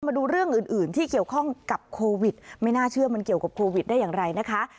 มาดูเรื่องอื่นอื่นที่เกี่ยวข้องกับโควิดไม่น่าเชื่อมันเกี่ยวกับโควิดได้อย่างไรนะคะ